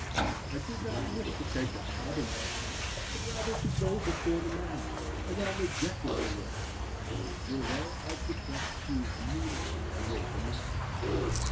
I did not wish to take a cabin passage, but rather to go before the mast and on the deck of the world, for there I could best see the moonlight amid the mountains.